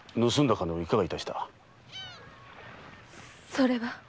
それは。